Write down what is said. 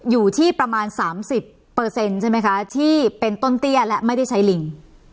อยู่ที่ประมาณ๓๐ใช่ไหมคะที่เป็นต้นเตี้ยและไม่ได้ใช้ลิง